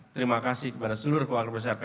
terima kasih kepada seluruh keluarga besar pks